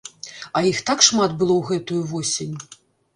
А іх так шмат было ў гэтую восень.